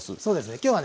今日はね